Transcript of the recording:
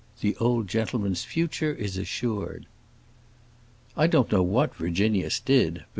The old gentleman's future is assured." "I don't know what Virginius did, but M.